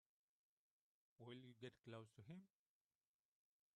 Will you get close to him?